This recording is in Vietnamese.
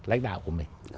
lãnh đạo của mình